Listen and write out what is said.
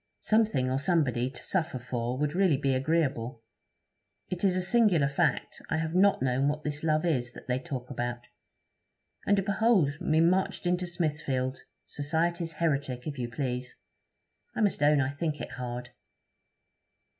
Something or somebody to suffer for would really be agreeable. It is a singular fact, I have not known what this love is, that they talk about. And behold me marched into Smithfield! society's heretic, if you please. I must own I think it hard.'